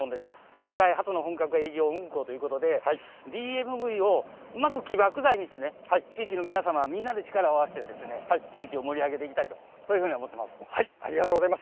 世界初の本格営業運行ということで、ＤＭＶをうまく起爆剤にしてね、地域の皆様、みんなで力を合わせて、地域を盛り上げていきたいと、そういうふうに思っていまありがとうございます。